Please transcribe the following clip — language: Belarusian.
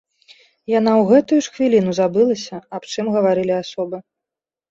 Яна ў гэтую ж хвіліну забылася, аб чым гаварылі асобы.